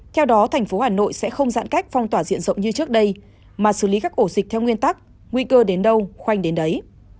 theo đó thành phố hà nội sẽ không giãn cách phong tỏa diện rộng như trước đây mà xử lý các ổ dịch theo nguyên tắc nguy cơ đến đâu khoanh đến đấy